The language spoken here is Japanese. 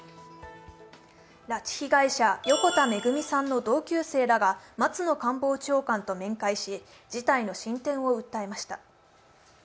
拉致被害者、横田めぐみさんの同級生らが松野官房長官と面会し事態の進展を訴えました。